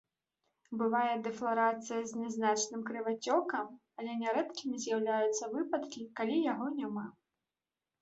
Бывае дэфларацыя з нязначным крывацёкам, але нярэдкімі з'яўляюцца выпадкі, калі яго няма.